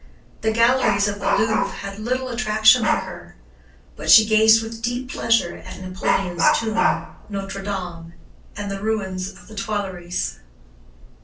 The galleries of the Louvre had little attraction for her, but she gazed with deep pleasure at Napoleon's tomb, Notre Dame, and the ruins of the Tuileries.